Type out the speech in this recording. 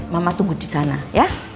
mama tunggu di sana ya